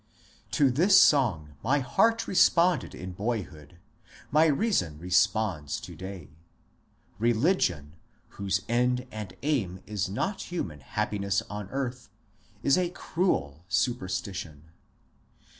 To this song my heart responded in boyhood, my reason responds to day. Religion, whose end and aim is not human happiness on earth, is a cruel superstition.